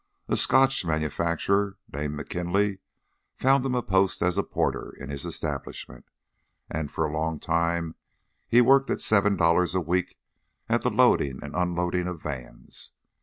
A Scotch manufacturer named M'Kinlay found him a post as porter in his establishment, and for a long time he worked at seven dollars a week at the loading and unloading of vans.